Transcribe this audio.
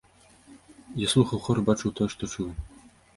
Я слухаў хор і бачыў тое, што чую.